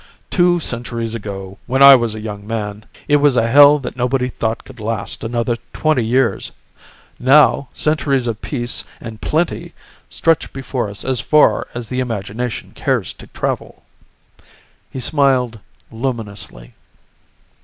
"Two centuries ago, when I was a young man, it was a hell that nobody thought could last another twenty years. Now centuries of peace and plenty stretch before us as far as the imagination cares to travel." He smiled luminously.